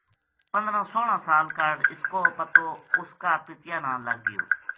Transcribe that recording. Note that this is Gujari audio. پندرہ سوہلاں سال کاہڈ اس کو پتو اس کا پِتیا نا لگ گیو